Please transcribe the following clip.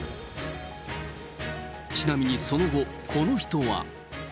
ちなみにその後、この人は。